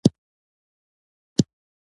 نجلۍ له کتاب سره مینه لري.